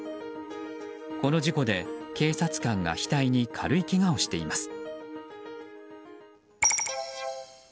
この事故で、警察官が額に軽いけがをしています。